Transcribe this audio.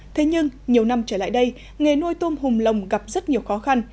thế nhưng nhiều năm trở lại đây nghề nuôi tôm hùm lồng gặp rất nhiều khó khăn